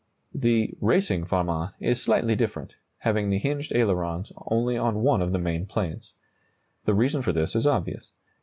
The "racing Farman" is slightly different, having the hinged ailerons only on one of the main planes. The reason for this is obvious.